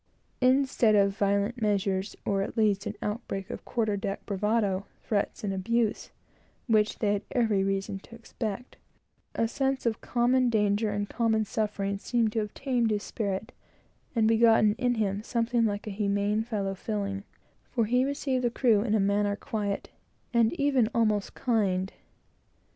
Instead of violent measures, or, at least, an outbreak of quarter deck bravado, threats, and abuse, which they had every reason to expect, a sense of common danger and common suffering seemed to have tamed his spirit, and begotten something like a humane fellow feeling; for he received the crew in a manner quiet, and even almost kind.